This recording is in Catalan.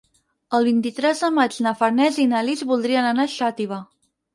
El vint-i-tres de maig na Farners i na Lis voldrien anar a Xàtiva.